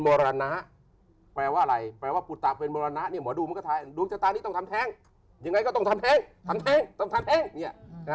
มันเลยทันทีนะเขาอาจจะเกิดอารมณ์นั้นก็ได้